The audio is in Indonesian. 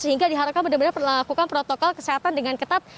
sehingga diharapkan benar benar berlakukan protokol kesehatan dengan ketat